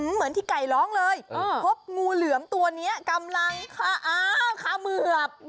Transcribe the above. เหมือนที่ไก่ร้องเลยเออพบงูเหลือมตัวเนี้ยกำลังค้าอ้าวค้าเมือบ